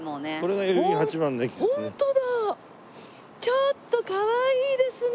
ちょっとかわいいですね。